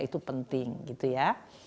itu penting gitu ya